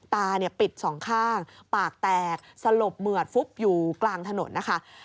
ตาปิดสองข้างปากแตกสลบเหมือดฟุบอยู่กลางถนนนะคะ